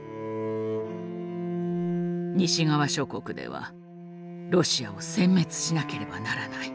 西側諸国ではロシアを殲滅しなければならない。